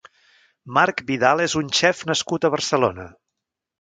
Marc Vidal és un xef nascut a Barcelona.